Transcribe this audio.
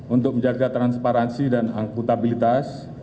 untuk menjaga transparansi dan akutabilitas